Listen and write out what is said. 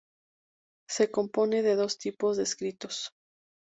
Se compone de dos tipos de escritos.